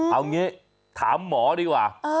เอางี้ถามหมอดีกว่า